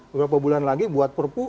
beberapa bulan lagi buat perpu